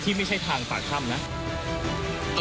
ที่ไม่ใช่ทางปากค่ำนะ